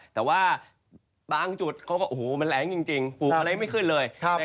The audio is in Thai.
แต่ว่าบางจุดมันแหลงจริงปลูกอะไรไม่ขึ้นเลย